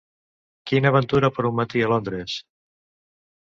Quina aventura per un matí a Londres!